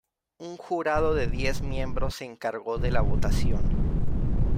Un jurado de diez miembros se encargó de la votación.